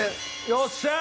よっしゃー！